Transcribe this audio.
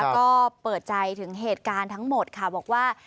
ก็เปิดใจถึงเหตุการณ์ทั้งหมดค่ะบอกว่า